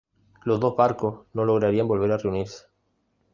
Los dos barcos no lograrían volver a reunirse.